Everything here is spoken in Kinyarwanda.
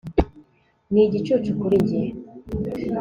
ni igicucu kuri njye